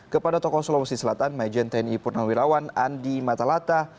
kepada tokoh sulawesi selatan majen tni purnawirawan andi matalata